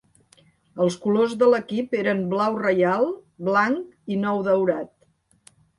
Els colors de l'equip eren blau reial, blanc i nou daurat.